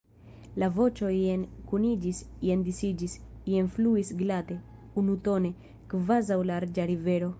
La voĉo jen kuniĝis, jen disiĝis, jen fluis glate, unutone, kvazaŭ larĝa rivero.